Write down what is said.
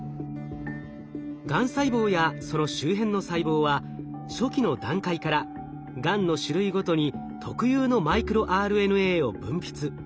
がん細胞やその周辺の細胞は初期の段階からがんの種類ごとに特有のマイクロＲＮＡを分泌。